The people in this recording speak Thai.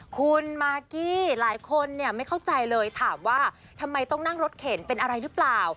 คุณมากกี้หลายคนเนี่ยไม่เข้าใจเลยถามว่าทำไมต้องนั่งรถเข็นเป็นอะไรหรือเปล่า